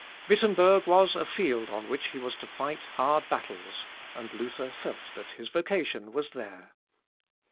Wittemberg was a field on which he was to fight hard battles; and Luther felt that his vocation was there.